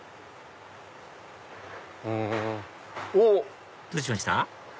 おっ！どうしました？